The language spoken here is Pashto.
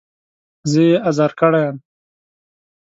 زه يې ازار کړی يم.